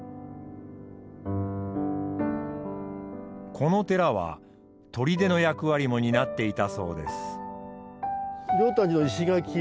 この寺は砦の役割も担っていたそうです。